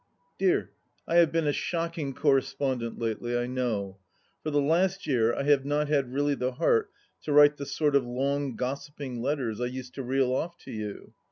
Deae, I have been a shocking correspondent lately * I know. For the last year I have not had really the heart to write the sort of long, gossiping letters I used to reel off to you.